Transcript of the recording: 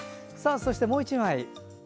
そして、もう１枚。